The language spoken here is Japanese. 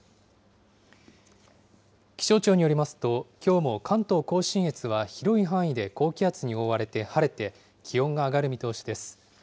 気象庁によりますと、きょうも関東甲信越は広い範囲で高気圧に覆われて晴れて、気温が上がる見通しです。